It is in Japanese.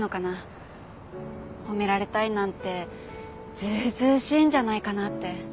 褒められたいなんてずうずうしいんじゃないかなって。